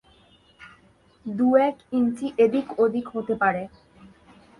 দু-এক inch এদিক-ওদিক হতে পারে।